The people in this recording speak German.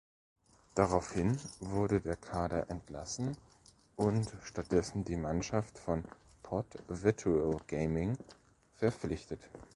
Daraufhin wurde der Kader entlassen und stattdessen die Mannschaft von pod virtual gaming verpflichtet.